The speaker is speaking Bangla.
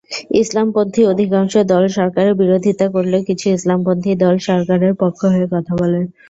ইসলামপন্থী অধিকাংশ দল সরকারের বিরোধিতা করলেও কিছু ইসলামপন্থী দল সরকারের পক্ষ হয়ে কথা বলেন।